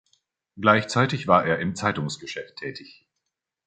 Gleichzeitig war er im Zeitungsgeschäft tätig.